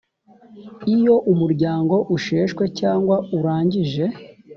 iyo umuryango usheshwe cyangwa urangije